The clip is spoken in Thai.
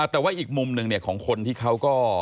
แต่ว่าอีกมุมหนึ่งของคนที่เขาก็